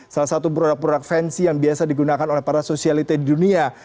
salah satu produk produk fansy yang biasa digunakan oleh para sosialite di dunia